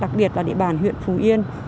đặc biệt là địa bàn huyện phủ yên